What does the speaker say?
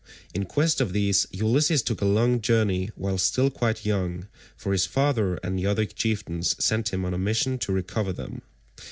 In quest of these Ulysses took a long journey while still quite young, for his father and the other chieftains sent him on a mission to recover them.